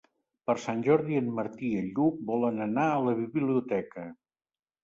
Per Sant Jordi en Martí i en Lluc volen anar a la biblioteca.